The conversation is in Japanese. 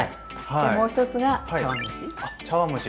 もう一つが茶碗蒸し。